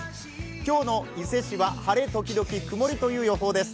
今日の伊勢市は、晴れ時々曇りという予報です。